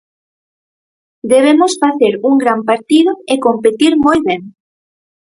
Debemos facer un gran partido e competir moi ben.